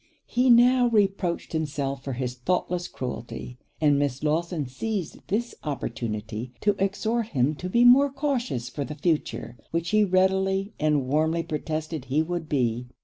He now reproached himself for his thoughtless cruelty; and Miss Lawson seized this opportunity to exhort him to be more cautious for the future, which he readily and warmly protested he would be.